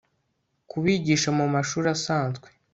kubigisha mu mashuli asanzwe